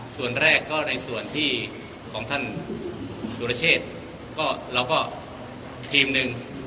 ส่วนแรกก็ในส่วนที่ของท่านสุรเชษก็เราก็ทีมหนึ่ง